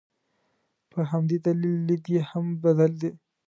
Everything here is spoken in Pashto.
په همدې دلیل لید یې هم بدل دی.